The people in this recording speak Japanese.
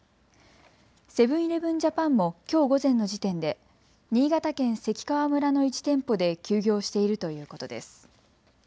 セブン‐イレブン・ジャパンもきょう午前の時点で新潟県関川村の１店舗で休業しているということです。